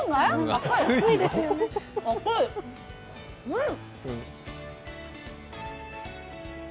うん！